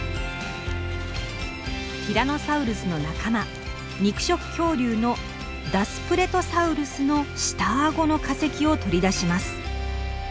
ティラノサウルスの仲間肉食恐竜のダスプレトサウルスの下顎の化石を取り出します。